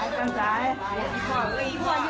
ตรงอ่านหวันตรงอ่านหวัน